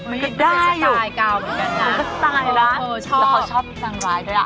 มันก็ได้อยู่มันก็สไตล์นะแล้วเขาชอบนางร้ายด้วยอะ